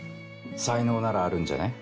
才能ならあるんじゃね？